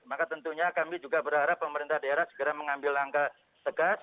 maka tentunya kami juga berharap pemerintah daerah segera mengambil langkah tegas